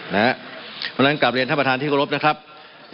นะครับวันนั้นกับเรียนท่านประธานภูมิแสงรัฐศรรย์ที่เคารพนะครับ